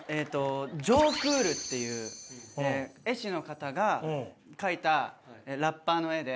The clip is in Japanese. ジョー・クールっていう絵師の方が描いたラッパーの絵。